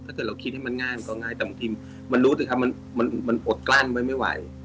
ถ้าเกิดเราคิดให้มันง่ายมันก็ง่ายแต่บางทีมันรู้สิครับมันอดกลั้นไว้ไม่ไหว